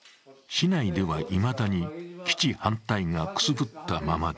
市内ではいまだに基地反対がくすぶったままだ。